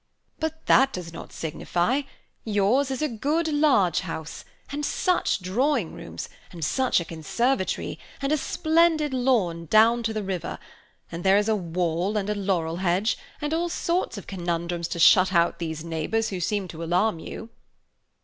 "But that does not signify; yours is a good large house, and such drawing rooms, and such a conservatory, and a splendid lawn down to the river; and there is a wall and a laurel hedge, and all sorts of conundrums to shut out these neighbours who seem to alarm you."